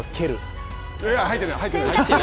入ってない。